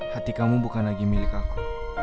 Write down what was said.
hati kamu bukan lagi milik aku